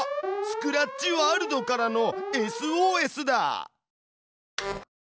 スクラッチワールドからのＳＯＳだ！